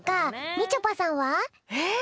みちょぱさんは？え？